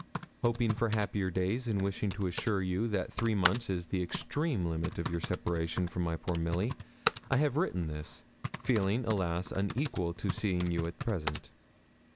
Hoping for happier days, and wishing to assure you that three months is the extreme limit of your separation from my poor Milly, I have written this, feeling alas! unequal to seeing you at present.